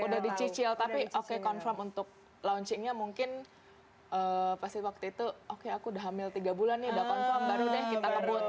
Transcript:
udah dicicil tapi oke confirm untuk launchingnya mungkin pasti waktu itu oke aku udah hamil tiga bulan nih udah confirm baru deh kita kebut